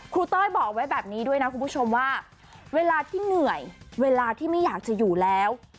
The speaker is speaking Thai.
เต้ยบอกไว้แบบนี้ด้วยนะคุณผู้ชมว่าเวลาที่เหนื่อยเวลาที่ไม่อยากจะอยู่แล้ว